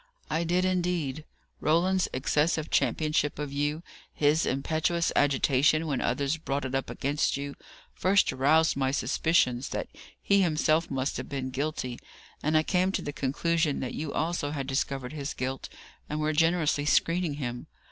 "I did indeed. Roland's excessive championship of you, his impetuous agitation when others brought it up against you, first aroused my suspicions that he himself must have been guilty; and I came to the conclusion that you also had discovered his guilt, and were generously screening him.